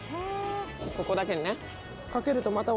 ここだけにね。